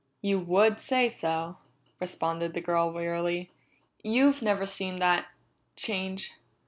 "You would say so," responded the girl wearily. "You've never seen that change.